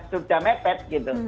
sudah mepet gitu